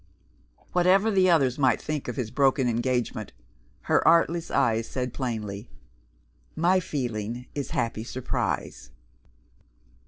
Whatever the others might think of his broken engagement, her artless eyes said plainly, "My feeling is happy surprise."